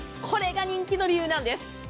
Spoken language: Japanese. これが人気の理由なんです。